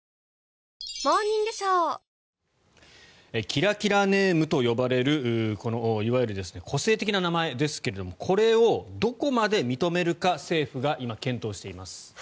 キラキラネームと呼ばれるこのいわゆる個性的な名前ですがこれをどこまで認めるか政府が今、検討しています。